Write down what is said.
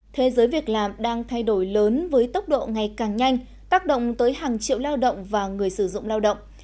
thế giới việc làm đang thay đổi lớn với tốc độ ngày càng nhanh tác động tới hàng triệu lao động và người sử dụng lao động